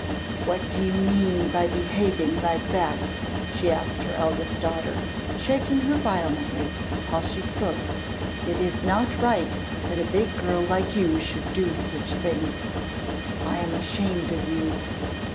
'What do you mean by behaving like that?' she asked her eldest daughter, shaking her violently while she spoke. 'It is not right that a big girl like you should do such things. I am ashamed of you!